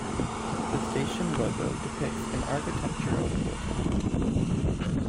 The station logo depicts an architectural portal.